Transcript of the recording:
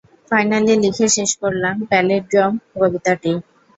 Finally লিখে শেষ করলাম প্যালিন্ড্রোম কবিতাটি।